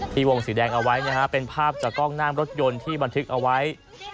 วงสีแดงเอาไว้นะฮะเป็นภาพจากกล้องหน้ารถยนต์ที่บันทึกเอาไว้